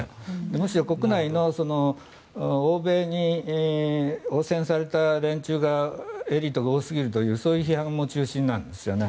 むしろ国内の欧米に影響された連中がエリートが多すぎるという批判も中心なんですよね。